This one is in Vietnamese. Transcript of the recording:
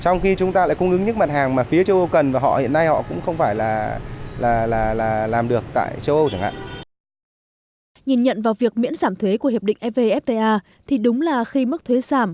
nhìn nhận vào việc miễn giảm thuế của hiệp định evfta thì đúng là khi mức thuế giảm